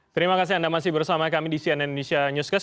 terima kasih anda masih bersama kami di cnn indonesia newscast